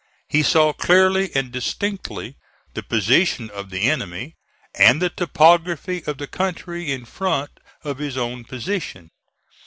He saw clearly and distinctly the position of the enemy, and the topography of the country in front of his own position.